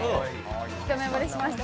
一目ぼれしました。